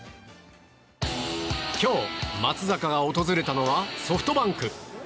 今日、松坂が訪れたのはソフトバンク。